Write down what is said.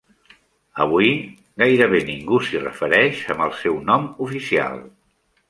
Avui, gairebé ningú s'hi refereix amb el seu nom oficial.